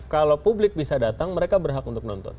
kalau publik bisa datang mereka berhak untuk nonton